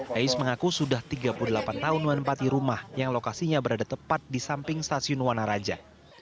reis mengaku sudah tiga puluh delapan tahun mempati rumah yang lokasinya berada tepat di samping stasiun wanaraja